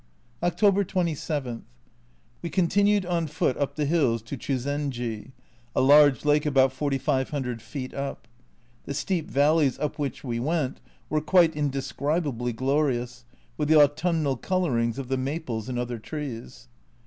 October 27. We continued on foot up the hills to Chuzenji, a large lake about 4500 feet up the steep valleys up which we went were quite indescrib ably glorious, with the autumnal colourings of the maples and other trees.